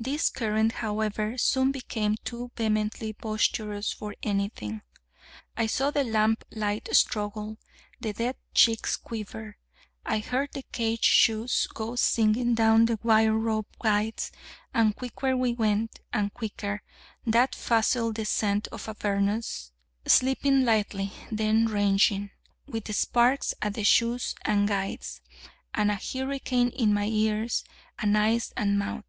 This current, however, soon became too vehemently boisterous for anything: I saw the lamp light struggle, the dead cheeks quiver, I heard the cage shoes go singing down the wire rope guides, and quicker we went, and quicker, that facile descent of Avernus, slipping lightly, then raging, with sparks at the shoes and guides, and a hurricane in my ears and eyes and mouth.